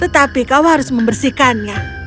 tetapi kau harus membersihkannya